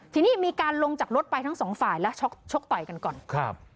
ทีนี้มีการลงจากรถไปทั้งสองฝ่ายแล้วชกชกต่อยกันก่อนครับ